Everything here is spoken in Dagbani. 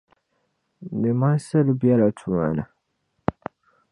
Iimaansili bɛla tumani.